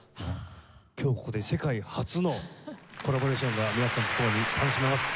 今日ここで世界初のコラボレーションが皆さんと共に楽しめます。